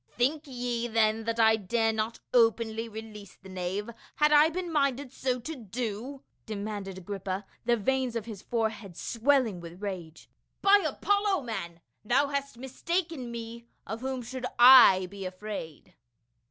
" Think ye then that I dare not openly release the knave, had I been minded so to do?" demanded Agrippa, the veins of his forehead swelling with rage. " By Apollo, man, thou hast mistaken me ; of whom should I be afraid